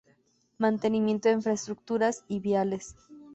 Mantenimiento de infraestructuras y viales.